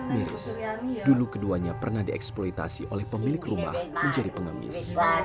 miris dulu keduanya pernah dieksploitasi oleh pemilik rumah menjadi pengemis